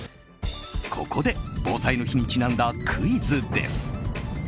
ここで防災の日にちなんだクイズです。